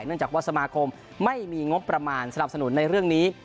เนื่องจากว่าสมาคมไม่มีงบประมาณสนับสนุนในเรื่องนี้